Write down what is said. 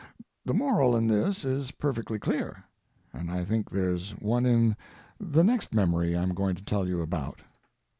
The moral in this is perfectly clear, and I think there's one in the next memory I'm going to tell you about.